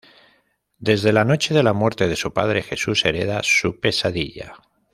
Desde la noche de la muerte de su padre Jesús hereda su pesadilla.